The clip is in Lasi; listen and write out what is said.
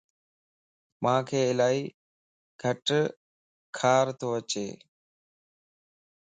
مانک الائي گٽ کارتواچي